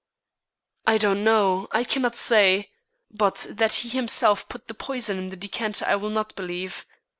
"I do not know, I cannot say; but that he himself put the poison in the decanter I will not believe.